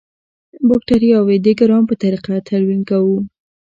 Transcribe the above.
باکټریاوې د ګرام په طریقه تلوین کوو.